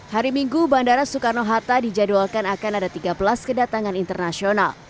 hari minggu bandara soekarno hatta dijadwalkan akan ada tiga belas kedatangan internasional